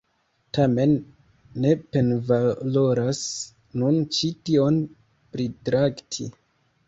Tamen, ne penvaloras nun ĉi tion pritrakti.